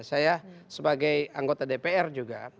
saya sebagai anggota dpr juga